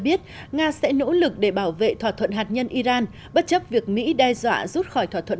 biết nga sẽ nỗ lực để bảo vệ thỏa thuận hạt nhân iran bất chấp việc mỹ đe dọa rút khỏi thỏa thuận